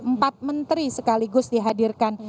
empat menteri sekaligus dihadirkan